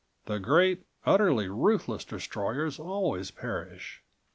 The great, utterly ruthless destroyers always perish."